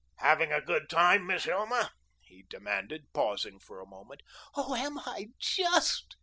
"Having a good time, Miss Hilma?" he demanded, pausing for a moment. "Oh, am I, JUST!"